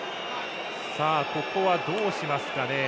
ここはどうしますかね。